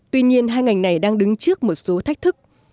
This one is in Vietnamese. tuy nhiên hai ngành này đang đứng trước một số thách thức